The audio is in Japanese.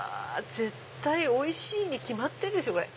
絶対おいしいに決まってるでしょこれ。